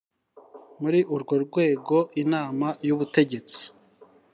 muri urwo rwego inama y ubutegetsi